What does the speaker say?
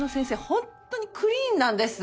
ホントにクリーンなんです。